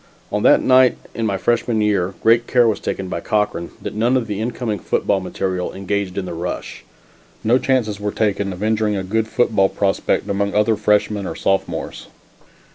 On that night in my freshman year, great care was taken by Cochran that none of the incoming football material engaged in the rush. No chances were taken of injuring a good football prospect among either freshmen or sophomores.